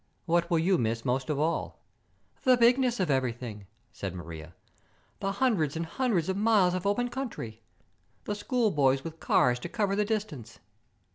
"What will you miss most of all?" "The bigness of everything," said Maria. "The hundreds and hundreds of miles of open country. The schoolboys with cars to cover the distance.